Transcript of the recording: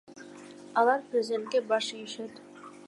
Алар президентке баш ийишет.